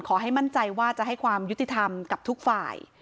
ขอให้มั่นใจว่าจะให้ความยุติธรรมกับทุกฝ่าย